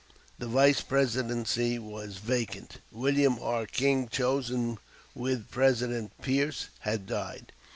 The Vice Presidency was vacant; William R. King, chosen with President Pierce, had died.